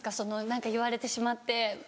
何か言われてしまって。